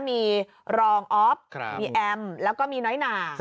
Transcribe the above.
มีรองอ๊อฟมีแอมแล้วก็มีน้อยหนา